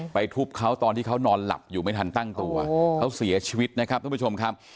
ทุบเขาตอนที่เขานอนหลับอยู่ไม่ทันตั้งตัวเขาเสียชีวิตนะครับทุกผู้ชมครับ